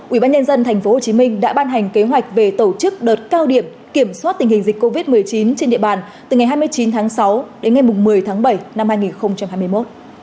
ubnd tp hcm đã ban hành kế hoạch về tổ chức đợt cao điểm kiểm soát tình hình dịch covid một mươi chín trên địa bàn từ ngày hai mươi chín tháng sáu đến ngày một mươi tháng bảy năm hai nghìn hai mươi một